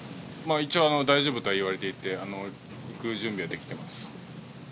一応大丈夫とは言われていて、行く準備できてます。